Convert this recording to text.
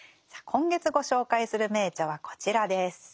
今月ご紹介する名著はこちらです。